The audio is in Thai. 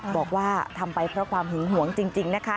บอกว่าทำไปเพราะความหึงหวงจริงนะคะ